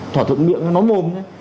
thỏa thuận miệng nó mồm